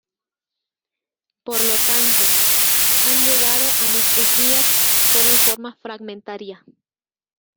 Por lo tanto, han llegado a nuestros días sólo en forma fragmentaria.